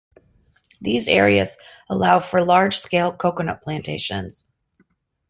These areas allow for large scale coconut plantations.